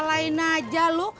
masalahin aja lu